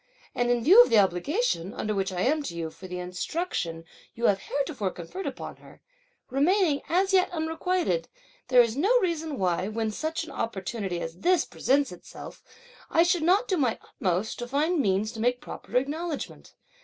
And in view of the obligation, under which I am to you for the instruction you have heretofore conferred upon her, remaining as yet unrequited, there is no reason why, when such an opportunity as this presents itself, I should not do my utmost to find means to make proper acknowledgment.